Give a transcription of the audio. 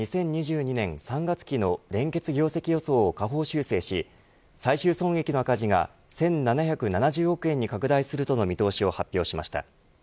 ２０２２年３月期の連結業績予想を下方修正し最終損益の赤字が１７７０億円に拡大するとの見通しを発表しました。